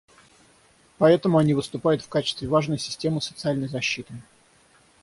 Поэтому они выступают в качестве важной системы социальной защиты.